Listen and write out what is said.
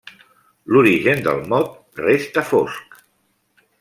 L'origen del mot resta fosc.